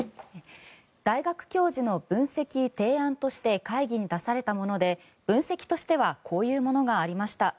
大学教授の分析・提案として会議に出されたもので分析としてはこういうものがありました。